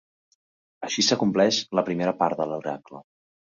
Així s'acompleix la primera part de l'oracle.